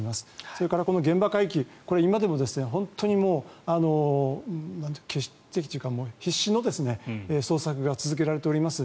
それから現場海域今でも必死の捜索が続けられております。